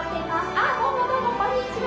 あどうもどうもこんにちは。